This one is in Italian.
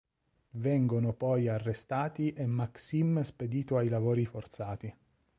Vengono poi arrestati e Maksim spedito ai lavori forzati.